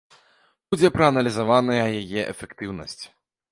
Будзе прааналізаваная яе эфектыўнасць.